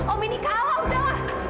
om ini kalah udahlah